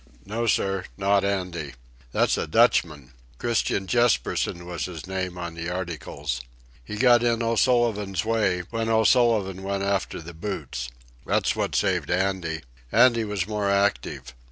"No, sir, not Andy. That's a Dutchman. Christian Jespersen was his name on the articles. He got in O'Sullivan's way when O'Sullivan went after the boots. That's what saved Andy. Andy was more active.